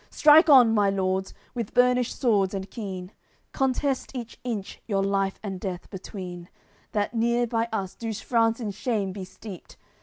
Strike on, my lords, with burnished swords and keen; Contest each inch your life and death between, That neer by us Douce France in shame be steeped.